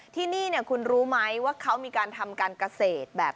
ที่นี่คุณรู้ไหมว่าเขามีการทำการเกษตรแบบ